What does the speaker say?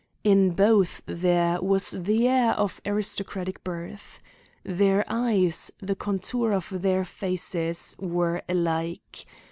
In both there was the air of aristocratic birth. Their eyes, the contour of their faces, were alike.